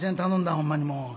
ほんまにもう。